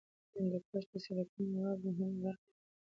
هندوکش د سیلګرۍ یوه مهمه برخه ده.